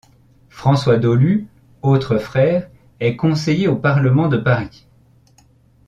François Dolu, autre frère, est conseiller au parlement de Paris.